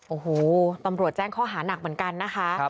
โอ้โหตำรวจแจ้งข้อหานักเหมือนกันนะคะ